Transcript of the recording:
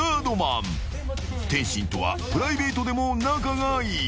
［天心とはプライベートでも仲がいい］